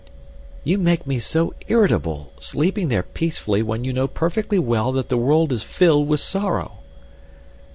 "You make me so irritable, sleeping there peacefully when you know perfectly well that the world is filled with sorrow."